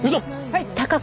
はい！